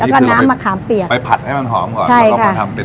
แล้วก็น้ำมะขามเปียกใช่ค่ะใช่ค่ะอันนี้คือเราไปผัดให้มันหอมก่อน